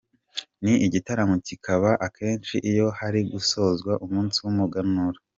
Ni igitaramo kiba akenshi iyo hari gusozwa umunsi w'Umuganura.